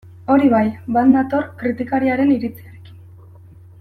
Hori bai, bat nator kritikariaren iritziarekin.